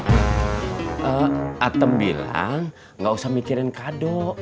atem bilang gak usah mikirin kado